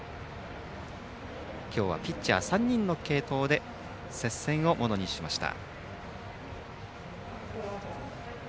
今日はピッチャー３人の継投で接戦をものにしました。